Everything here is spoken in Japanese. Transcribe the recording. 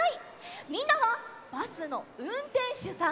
みんなはバスのうんてんしゅさんです。